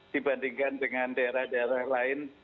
dibandingkan dengan daerah daerah lain